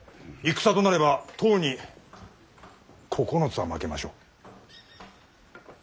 戦となれば十に九つは負けましょう。